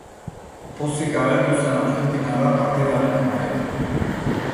Pozik agertu zen argentinarra partidaren amaieran.